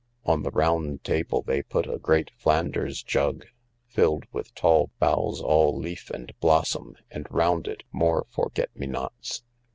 On the round table they put a great Flanders jug filled with tall boughs all leaf and blossom, and round it more forget me nots.